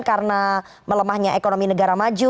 karena melemahnya ekonomi negara maju